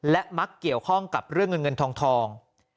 และมักเกี่ยวข้องกับเรื่องเงินเงินทอง